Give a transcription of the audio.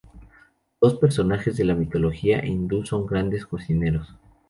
Dos personajes de la mitología hindú son grandes cocineros.